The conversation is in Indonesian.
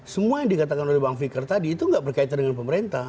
semua yang dikatakan oleh bang fikar tadi itu tidak berkaitan dengan pemerintah